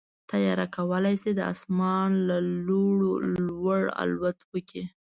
طیاره کولی شي د اسمان له لوړو لوړ الوت وکړي.